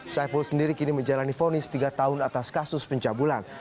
saiful sendiri kini menjalani fonis tiga tahun atas kasus pencabulan